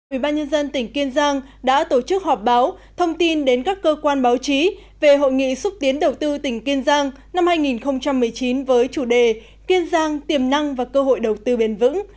ubnd tỉnh kiên giang đã tổ chức họp báo thông tin đến các cơ quan báo chí về hội nghị xúc tiến đầu tư tỉnh kiên giang năm hai nghìn một mươi chín với chủ đề kiên giang tiềm năng và cơ hội đầu tư bền vững